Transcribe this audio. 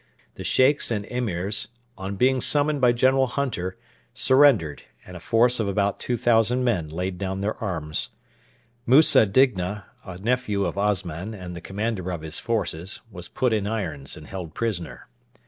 The Sheikhs and Emirs, on being summoned by General Hunter, surrendered, and a force of about 2,000 men laid down their arms. Musa Digna, a nephew of Osman and the commander of his forces, was put in irons and held prisoner.